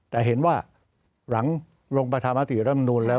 แต่เห็นว่าหลังโรงประธามฎิรัฐนูนย์แล้ว